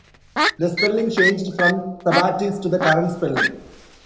The spelling changed from Sabattis to the current spelling.